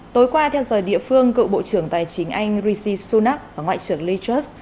tối qua theo dòi địa phương cựu bộ trưởng tài chính anh rishi sunak và ngoại trưởng lee chus